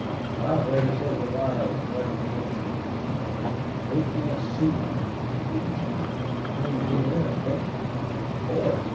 The operator says the wire was cut in the middle of the message." "Big force Sioux!" repeated Neale. "Between here and Benton?" "Of course.